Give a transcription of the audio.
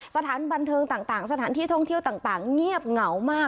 สถานบันเทิงต่างสถานที่ท่องเที่ยวต่างเงียบเหงามาก